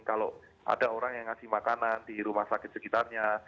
kalau ada orang yang ngasih makanan di rumah sakit sekitarnya